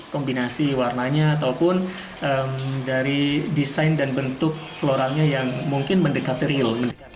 kombinasi warnanya ataupun dari desain dan bentuk floralnya yang mungkin mendekati real